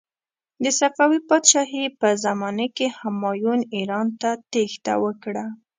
د صفوي پادشاهي په زمانې کې همایون ایران ته تیښته وکړه.